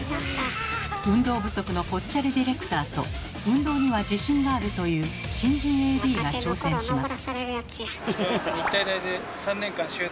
運動不足のぽっちゃりディレクターと運動には自信があるという新人ＡＤが挑戦します。